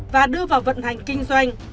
và đưa vào vận hành kinh doanh